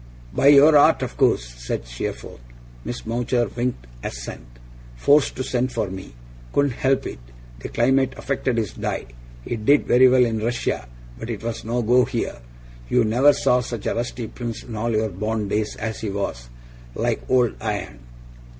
'By your art, of course,' said Steerforth. Miss Mowcher winked assent. 'Forced to send for me. Couldn't help it. The climate affected his dye; it did very well in Russia, but it was no go here. You never saw such a rusty Prince in all your born days as he was. Like old iron!